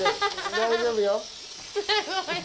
大丈夫よ。